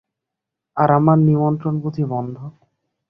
আর আমার নিমন্ত্রণ বুঝি বন্ধ?